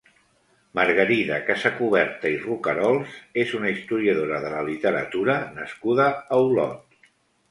Margarida Casacuberta i Rocarols és una historiadora de la literatura nascuda a Olot.